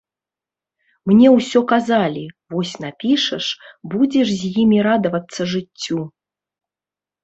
Мне ўсё казалі, вось напішаш, будзеш з імі радавацца жыццю.